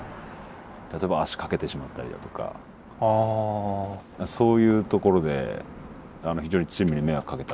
例えば足かけてしまったりだとかそういうところで非常にチームに迷惑かけた部分もありましたけどね。